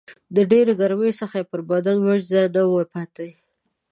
د ډېرې ګرمۍ څخه یې پر بدن وچ ځای نه و پاته